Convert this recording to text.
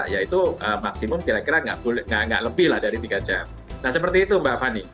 yaitu maksimum kira kira nggak lebih lah dari tiga jam nah seperti itu mbak fani